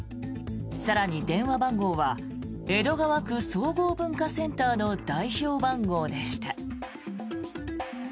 更に、電話番号は江戸川区総合文化センターの代表番号でした。